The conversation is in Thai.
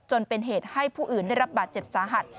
จนเป็นเหตุให้ผู้อื่นได้รับบาดเจ็บสาหัส